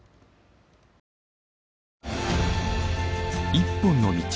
「一本の道」。